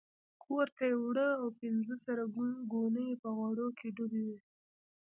کورته یې وړه او پنځه سره ګوني یې په غوړو کې ډوبې وې.